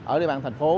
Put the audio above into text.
ở địa bàn thành phố